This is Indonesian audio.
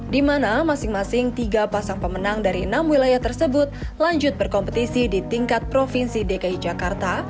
di mana masing masing tiga pasang pemenang dari enam wilayah tersebut lanjut berkompetisi di tingkat provinsi dki jakarta